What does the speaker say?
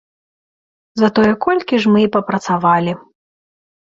Затое колькі ж мы і папрацавалі!